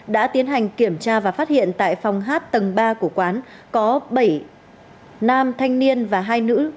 đã tiến hành kiểm tra và phát hiện tại phòng hát tầng ba của quán có bảy nam thanh niên và hai nữ